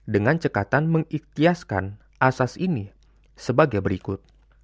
dengan cekatan mengiktiaskan asas ini sebagai berikut